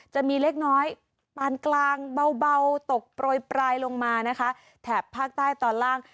จะมีเล็กน้อยปานกลางเบาตกโปรยปลายลงมานะคะแถบภาคใต้ตอนล่าง